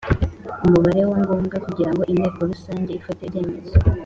Umubare wa ngombwa kugirango inteko rusange ifate ibyemezo